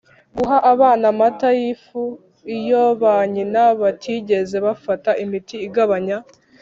Guha abana amata y ifu iyo ba nyina batigeze bafata Imiti igabanya